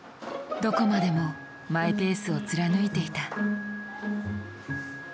どこまでもマイペースを貫いていた。